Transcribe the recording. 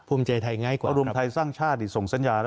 วัลงภายใจสร้างชาติส่งสัญญา